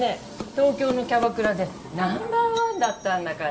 東京のキャバクラでナンバー１だったんだから。